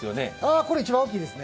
これ、一番大きいですね。